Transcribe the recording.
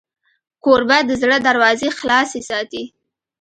کوربه د زړه دروازې خلاصې ساتي.